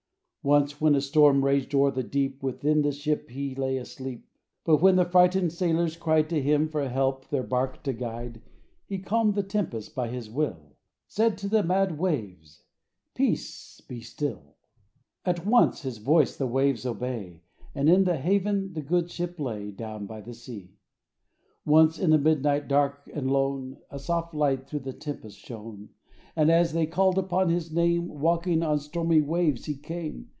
Once, when a storm raged o'er the deep. Within the ship He lay asleep. Digitized by Google Digitized by Google DOWN BY THE SEA. 87 But when the frightened sailors cried To Him for help their barque to guide, He calmed the tempest by His will — Said to the mad waves, Peace; be still!" At once His voice the waves obey — And in the haven the good ship lay, Down by the sea. Once, in the midnight dark and lone, A soft light thro' the tempest shone; And as they called upon His name. Walking on stormy waves He came.